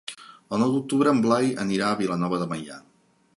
El nou d'octubre en Blai anirà a Vilanova de Meià.